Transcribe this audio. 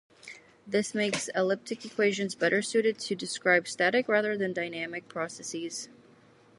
This makes elliptic equations better suited to describe static, rather than dynamic, processes.